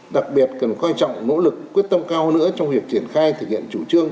đặc biệt cần quan trọng nỗ lực quyết tâm cao nữa trong việc triển khai thực hiện chủ trương